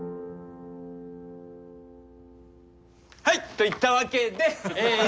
はい！といったわけでええ